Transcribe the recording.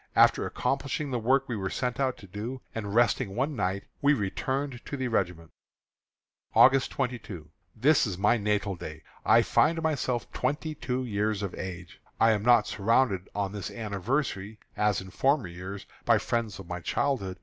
After accomplishing the work we were sent out to do, and resting one night, we returned to the regiment. August 22. This is my natal day. I find myself twenty two years of age. I am not surrounded on this anniversary, as in former years, by the friends of my childhood.